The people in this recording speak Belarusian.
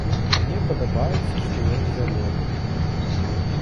Мне падабаецца, што ён зялёны.